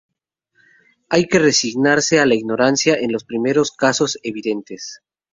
Hay que resignarse a la ignorancia en los primeros casos evidentes.